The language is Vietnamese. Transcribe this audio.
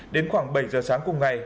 đến khoảng bảy giờ sáng cùng ngày